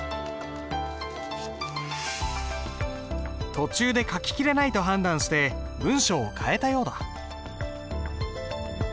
途中で書ききれないと判断して文章を変えたようだ。